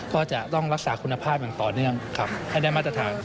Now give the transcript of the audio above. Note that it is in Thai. ก็จะต้องรักษาคุณภาพอย่างต่อเนื่องให้ได้มาตรฐาน